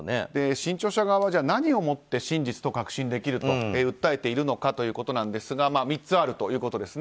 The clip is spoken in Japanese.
新潮社側は何を持って真実と確信できると訴えているのかということですが３つあるということですね。